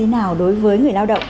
nào đối với người lao động